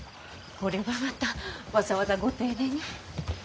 これはまたわざわざご丁寧に。